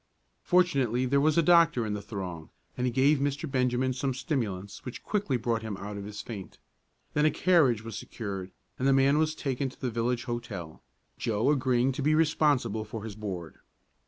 Fortunately there was a doctor in the throng, and he gave Mr. Benjamin some stimulants which quickly brought him out of his faint. Then a carriage was secured, and the man was taken to the village hotel, Joe agreeing to be responsible for his board.